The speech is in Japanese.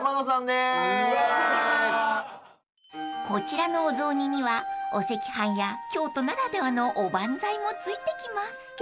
［こちらのお雑煮にはお赤飯や京都ならではのおばんざいも付いてきます］